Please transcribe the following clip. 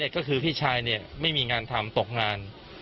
ก็คือพี่ชายไม่มีงานทำตกงาน